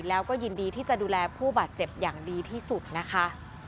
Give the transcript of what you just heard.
แล้วก็ยินดีที่จะดูแลผู้บาดเจ็บอย่างดีที่สุดนะคะ